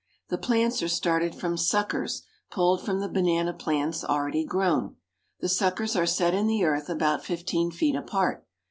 The plants are started from suckers pulled from the banana plants already grown. The suckers are set in the earth about fifteen feet apart.